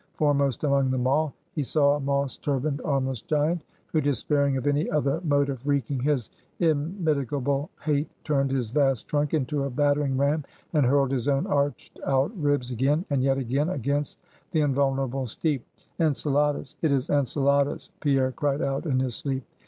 Foremost among them all, he saw a moss turbaned, armless giant, who despairing of any other mode of wreaking his immitigable hate, turned his vast trunk into a battering ram, and hurled his own arched out ribs again and yet again against the invulnerable steep. "Enceladus! it is Enceladus!" Pierre cried out in his sleep.